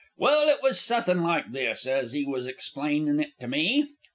Well, it was suthin' like this, ez he was explainin' it to me.